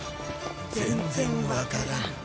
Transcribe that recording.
全然わからん。